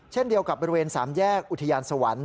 เช่นเดียวกับบริเวณ๓แยกอุทยานสวรรค์